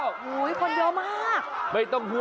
โอ้โฮคนเยอะมาก